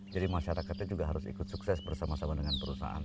masyarakatnya juga harus ikut sukses bersama sama dengan perusahaan